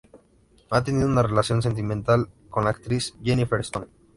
Ha tenido una relación sentimental con la actriz Jennifer Stone.